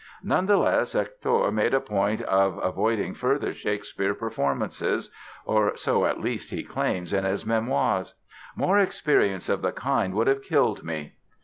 Nonetheless, Hector made a point of avoiding further Shakespeare performances—or so at least, he claims in his Memoirs. "More experiences of the kind would have killed me!"